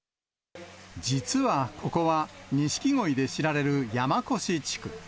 実はここは、ニシキゴイで知られる山古志地区。